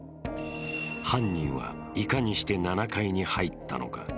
犯人は、いかにして７階に入ったのか。